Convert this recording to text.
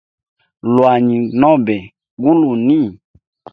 Iwanyi nobe guluni?